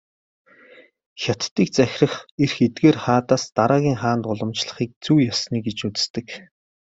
Хятадыг захирах эрх эдгээр хаадаас дараагийн хаанд уламжлахыг "зүй ёсны" гэж үздэг.